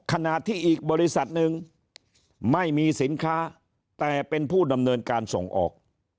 ขณะที่อีกบริษัทหนึ่งไม่มีสินค้าแต่เป็นผู้ดำเนินการส่งออก